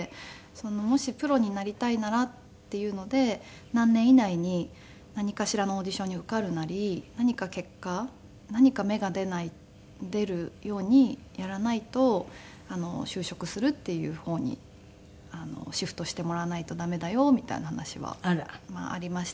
もしプロになりたいならっていうので何年以内に何かしらのオーディションに受かるなり何か結果何か芽が出るようにやらないと就職するっていう方にシフトしてもらわないと駄目だよみたいな話はありましたし。